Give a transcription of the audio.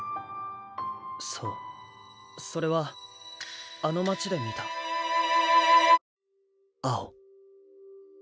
そうそれはあの街で見た青。